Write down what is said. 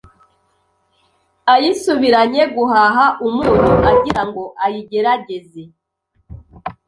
Ayisubiranye guhaha umunyu, agira ngo ayigerageze